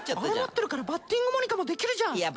あれ持ってるからバッティングモニカもできるじゃん。